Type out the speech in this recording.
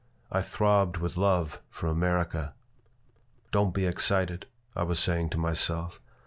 I throbbed with love for America "Don't be excited," I was saying to myself.